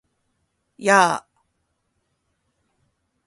やー！！！